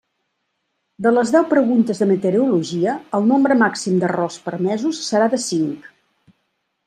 De les deu preguntes de meteorologia, el nombre màxim d'errors permesos serà de cinc.